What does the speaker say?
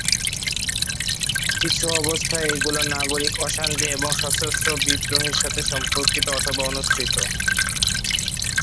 কিছু অবস্থায় এগুলো নাগরিক অশান্তি এবং সশস্ত্র বিদ্রোহের সাথে সম্পর্কিত অথবা অনুসৃত।